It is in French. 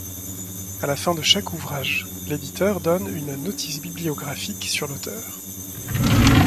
À la fin de chaque ouvrage, l’éditeur donne une notice bibliographique sur l’auteur.